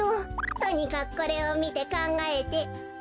とにかくこれをみてかんがえて。